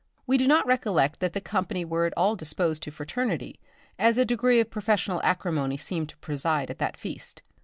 We do not recollect that the company were at all disposed to fraternity, as a degree of professional acrimony seemed to preside at that feast.